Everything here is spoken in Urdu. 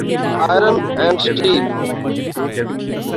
iron and steel